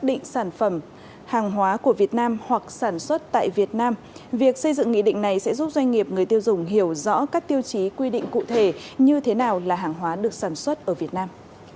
điều xây dựng nghị định này sẽ giúp doanh nghiệp người tiêu dùng hiểu rõ các tiêu chí quy định cụ thể như thế nào là hàng hóa được sản xuất ở việt nam